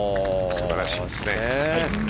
素晴らしいですね。